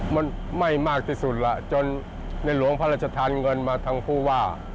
มันไหม้มากที่สุดล่ะจนในหลวงพระราชทานเงินมาทางผู้ว่า